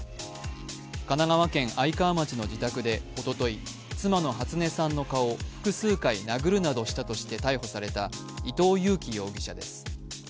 神奈川県愛川町の自宅でおととい、妻の初音さんの顔を複数回殴るなどして逮捕された伊藤裕樹容疑者です。